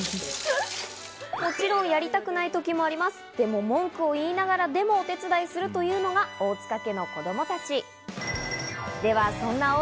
もちろんやりたくない時もありますが、でも文句を言いながらでも、お手伝いをするというのが大塚家の子供たち。